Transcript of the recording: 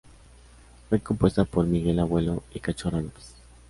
Fue compuesta por Miguel Abuelo y Cachorro López.